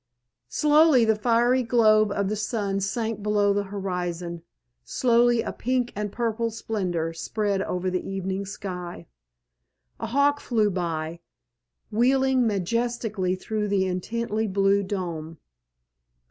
Slowly the fiery globe of the sun sank below the horizon, slowly a pink and purple splendor spread over the evening sky. A hawk flew by, wheeling majestically through the intensely blue dome.